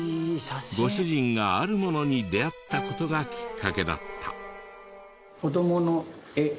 ご主人があるものに出会った事がきっかけだった。